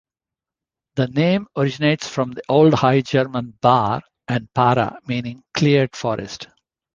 The name originates from the Old High German "bar" and "para", meaning "cleared forest".